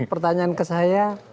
pertanyaan ke saya